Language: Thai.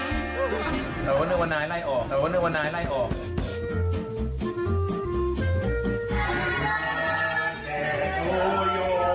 เค้าจะไปเวียนเทียนหรือเปล่าพี่วันนี้